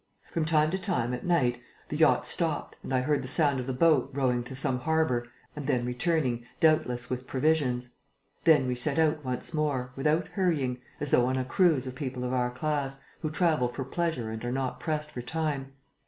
From time to time, at night, the yacht stopped and I heard the sound of the boat rowing to some harbour and then returning, doubtless with provisions. Then we set out once more, without hurrying, as though on a cruise of people of our class, who travel for pleasure and are not pressed for time.